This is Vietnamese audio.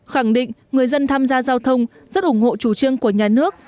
khẳng định người dân tham gia giao thông rất ủng hộ chủ trương của nhà nước